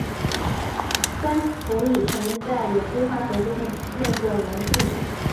三氟乙醇在有机化学中用作溶剂。